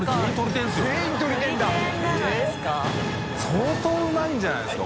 相当うまいんじゃないですか？